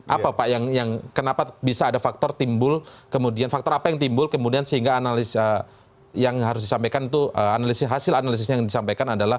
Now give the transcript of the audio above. apa pak yang kenapa bisa ada faktor timbul kemudian faktor apa yang timbul kemudian sehingga analis yang harus disampaikan itu hasil analisisnya yang disampaikan adalah